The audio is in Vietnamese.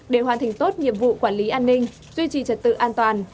để hoàn thành tốt nhiệm vụ quản lý an ninh duy trì trật tự an toàn